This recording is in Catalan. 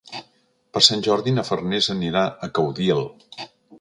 Per Sant Jordi na Farners anirà a Caudiel.